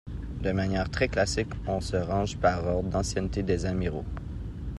De manière très classique, on se range par ordre d'ancienneté des amiraux.